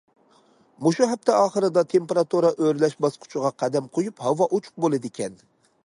مۇشۇ ھەپتە ئاخىرىدا تېمپېراتۇرا ئۆرلەش باسقۇچىغا قەدەم قويۇپ ھاۋا ئوچۇق بولىدىكەن.